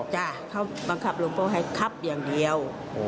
จ้ะเขาบังคับหลวงพ่อให้ขับอย่างเดียว